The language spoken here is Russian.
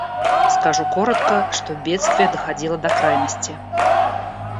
Скажу коротко, что бедствие доходило до крайности.